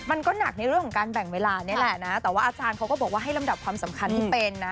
มันก็หนักในเรื่องของการแบ่งเวลานี่แหละนะแต่ว่าอาจารย์เขาก็บอกว่าให้ลำดับความสำคัญให้เป็นนะ